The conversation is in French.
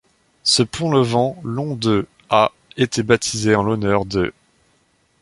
Ce pont levant long de a été baptisé en l'honneur d'E.